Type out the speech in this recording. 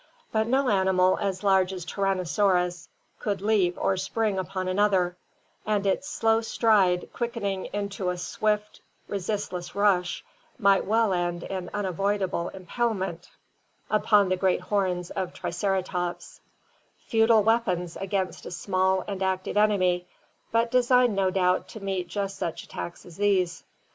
But no animal as large as Tyrannosaurus could leap or spring upon another, and its slow stride, quickening into a swift resistless rush, might well end in unavoidable impalement upon the great horns of Triceratops, futile weapons against a small and active enemy, but designed no doubt to meet just such attacks as these.